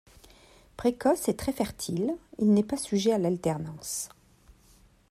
Précoce et très fertile, il n'est pas sujet à l'alternance.